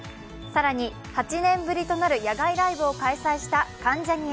更に８年ぶりとなる野外ライブを開催した関ジャニ∞。